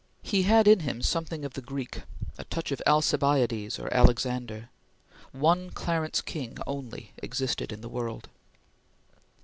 He had in him something of the Greek a touch of Alcibiades or Alexander. One Clarence King only existed in the world.